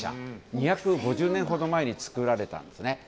２５０年ほど前に作られたんですね。